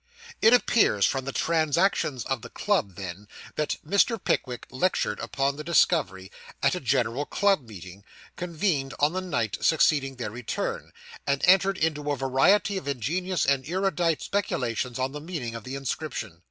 It appears from the Transactions of the Club, then, that Mr. Pickwick lectured upon the discovery at a General Club Meeting, convened on the night succeeding their return, and entered into a variety of ingenious and erudite speculations on the meaning of the inscription.